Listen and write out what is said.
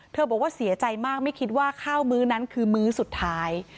บอกว่าเสียใจมากไม่คิดว่าข้าวมื้อนั้นคือมื้อสุดท้าย